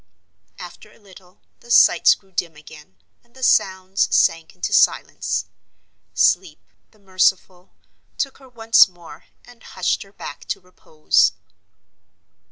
After a little, the sights grew dim again, and the sounds sank into silence. Sleep, the merciful, took her once more, and hushed her back to repose.